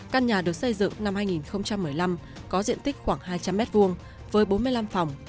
căn nhà được xây dựng năm hai nghìn một mươi năm có diện tích khoảng hai trăm linh m hai với bốn mươi năm phòng